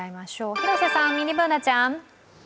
広瀬さん、ミニＢｏｏｎａちゃん。